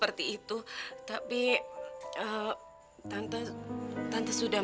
kendi untuk terima junko tante di luar